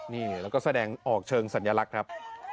นี่แล้วก็แสดงออกเชิงสัญลักษณ์ครับ